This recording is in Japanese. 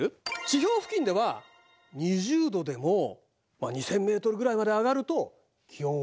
地表付近では２０度でも２，０００ｍぐらいまで上がると気温は７度になる。